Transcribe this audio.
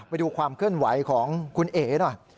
ไปดูความเคลื่อนไหวของคุณเอ๋หน่อย